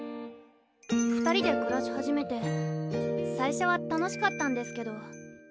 ２人で暮らし始めて最初は楽しかったんですけど。